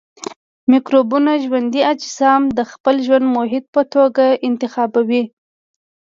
مکروبونه ژوندي اجسام د خپل ژوند محیط په توګه انتخابوي.